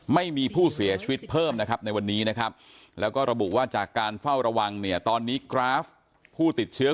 ไม่มีผู้เสียชีวิตเพิ่มนะครับในวันนี้นะครับแล้วก็ระบุว่าจากการเฝ้าระวังเนี่ยตอนนี้กราฟผู้ติดเชื้อ